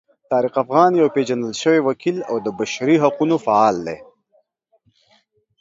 طارق افغان یو پیژندل شوی وکیل او د بشري حقونو فعال دی.